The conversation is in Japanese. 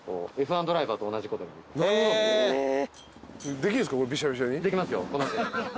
できますよ。